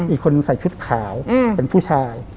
อีกคนใส่ชุดขาวเป็นผู้ชาย